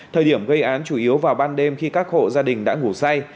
thời điểm gây án chủ yếu vào ban đêm khi các hộ gia đình đã ngủ say